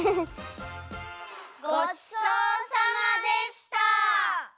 ごちそうさまでした！